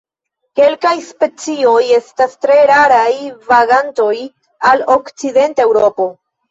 Kelkaj specioj estas tre raraj vagantoj al okcidenta Eŭropo.